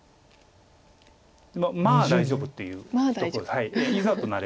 「まあ大丈夫」っていうとこです。